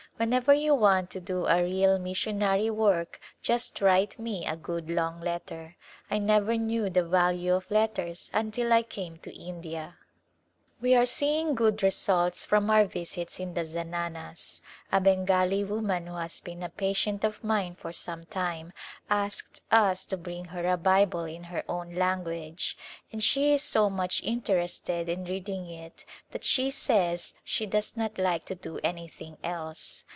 Whenever you want to do a real missionary work just write me a good long letter. I never knew the value of letters until I came to India. First Hot Season We are seeing good results from our visits in the zananas. A Bengali woman who has been a patient of mine for some time asked us to bring her a Bible in her own language, and she is so much interested in reading it that she says she does not like to do any thing else.